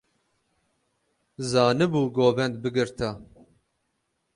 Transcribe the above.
Zanîbû govend bigirta.